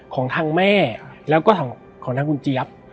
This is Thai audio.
ของทางแม่แล้วก็ของทางคุณเจี๊ยบ